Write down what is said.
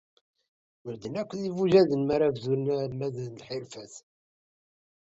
Medden akk d ibujaden mi ara bdun almad n lḥirfat.